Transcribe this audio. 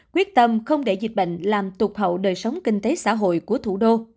quyết tâm không để dịch bệnh làm tục hậu đời sống kinh tế xã hội của thủ đô